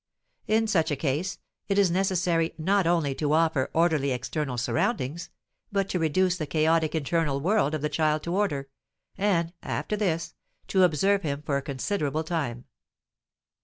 In such a case it is necessary not only to offer orderly external surroundings, but to reduce the chaotic internal world of the child to order, and, after this, to observe him for a considerable time.